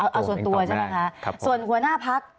เอาส่วนตัวใช่ไหมคะส่วนหัวหน้าพัก